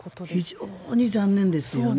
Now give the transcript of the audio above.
非常に残念ですよね。